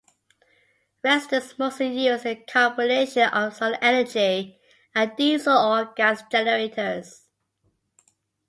Residents mostly used a combination of solar energy and diesel or gas generators.